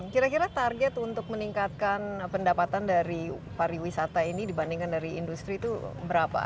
kira kira target untuk meningkatkan pendapatan dari pariwisata ini dibandingkan dari industri itu berapa